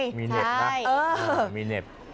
มีเน็ตนะมีเน็ตใช่เออ